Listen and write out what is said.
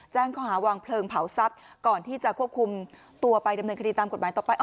แจ้งข้อหาวางเพลิงเผาทรัพย์ก่อนที่จะควบคุมตัวไปดำเนินคดีตามกฎหมายต่อไป